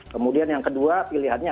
kemudian yang kedua pilihannya